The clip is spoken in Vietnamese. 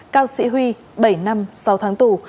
cao sĩ huy bảy năm sáu tháng tù